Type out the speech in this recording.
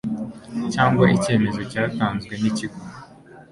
cyangwa icyemezo cyatanzwe n ikigo